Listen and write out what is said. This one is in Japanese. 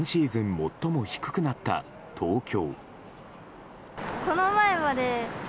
最も低くなった東京。